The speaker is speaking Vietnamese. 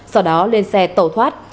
sau đó lên xe tẩu thoát